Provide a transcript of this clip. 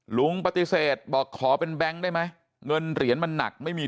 ลุงปฏิเสธบอกขอเป็นแบงค์ได้ไหมเงินเหรียญมันหนักไม่มี